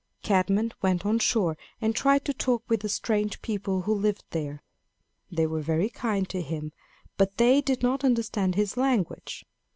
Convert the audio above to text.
Cadmus went on shore, and tried to talk with the strange people who lived there. They were very kind to him, but they did not understand his language.